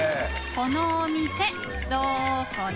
このお店どこだ？